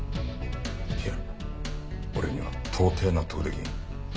いや俺には到底納得できん。